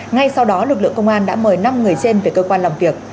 ngay sau đó lực lượng công an đã mời năm người trên về cơ quan làm việc